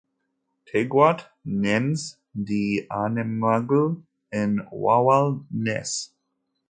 Tigawt-nnes d anemgal n wawal-nnes.